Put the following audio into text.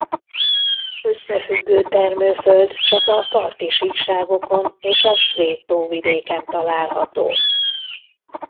Összefüggő termőföld csak a parti síkságokon és a svéd tóvidéken található.